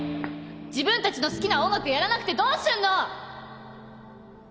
自分たちの好きな音楽やらなくてどうすんの！